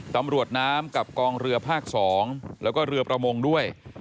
ตำรวจน้ำกับกองเรือภาค๒แล้วก็เรือประมงด้วย